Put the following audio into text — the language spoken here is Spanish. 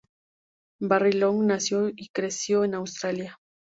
Barry Long nació y creció en Australia.